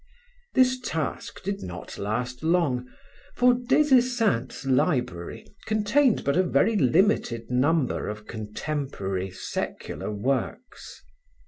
This task did not last long, for Des Esseintes' library contained but a very limited number of contemporary, secular works.